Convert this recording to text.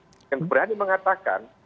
bukan belajar seksual